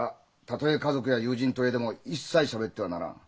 たとえ家族や友人といえども一切しゃべってはならん。